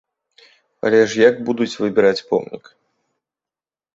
Але ж як будуць выбіраць помнік?